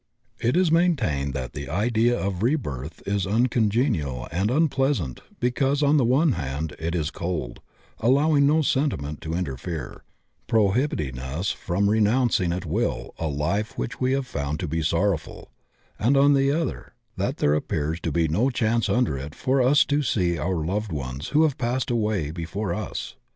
RBCOGNinON IN HEAVEN 71 It is maintained that the idea of rebirth is uncon genial and unpleasant because on the one hand it is cold, allowing no sentiment to interfere, prohibiting us from renouncing at will a life which we have found to be sorrowful; and on the other, that there appears to be no chance under it for us to see our loved ones who have passed away before us.